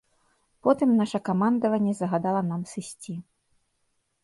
Потым наша камандаванне загадала нам сысці.